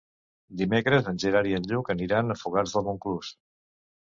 Dimecres en Gerard i en Lluc aniran a Fogars de Montclús.